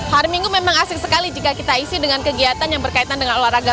hari minggu memang asik sekali jika kita isi dengan kegiatan yang berkaitan dengan olahraga